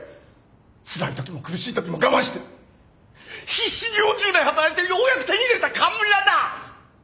つらいときも苦しいときも我慢して必死に４０年働いてようやく手に入れた冠なんだ！